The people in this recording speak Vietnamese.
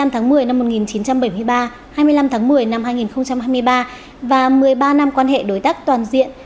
hai mươi tháng một mươi năm một nghìn chín trăm bảy mươi ba hai mươi năm tháng một mươi năm hai nghìn hai mươi ba và một mươi ba năm quan hệ đối tác toàn diện